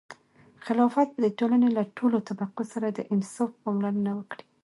خلافت به د ټولنې له ټولو طبقو سره د انصاف پاملرنه وکړي.